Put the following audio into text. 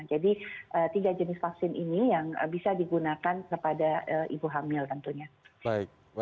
jadi tiga jenis vaksin ini yang bisa digunakan kepada ibu hamil tentunya